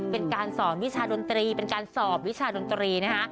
เป็นการสอนวิชาดนตรีเป็นการสอบวิชาดนตรีนะคะ